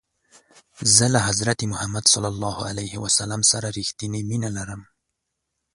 زه له حضرت محمد ص سره رښتنی مینه لرم.